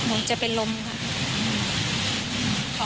คงจะเป็นลมค่ะ